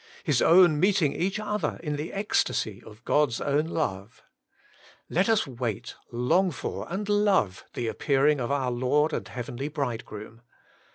His own meeting each other in the ecstasy of God's own love. Let us wait, long for, and love the appearing of our Lord and Heavenly Bridegroom.